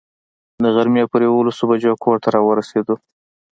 د غرمې پر یوولسو بجو کور ته را ورسېدو.